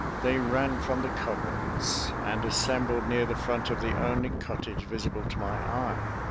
They ran from the coverts, and assembled near the front of the only cottage visible to my eye.